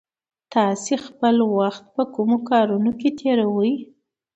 تاسې خپل وخت په کومو کارونو کې تېروئ؟